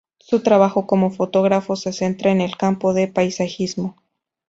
Su trabajo como fotógrafo se centra en el campo del paisajismo.